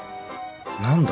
何だ？